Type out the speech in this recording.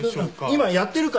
今やってるから。